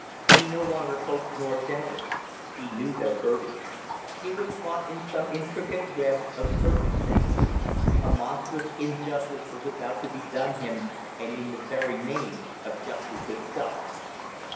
He no longer hoped nor doubted, he knew their verdict, he was caught in some intricate web of circumstance! A monstrous injustice was about to be done him, and in the very name of justice itself!